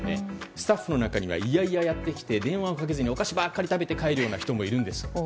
スタッフの中にはいやいややってきて電話をかけずにお菓子ばっかり食べて帰る人もいるんです。